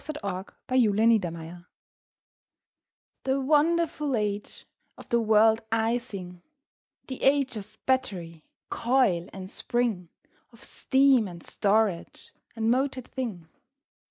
THE AGE OF MOTORED THINGS The wonderful age of the world I sing— The age of battery, coil and spring, Of steam, and storage, and motored thing.